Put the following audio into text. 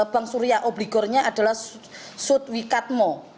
bank suria obligornya adalah sudwikatmo